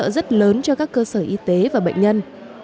rất lớn cho các cơ sở y tế và bệnh nhân